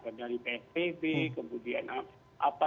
dari psbb kemudian apa